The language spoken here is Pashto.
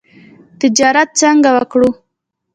تجارت څنګه وکړو؟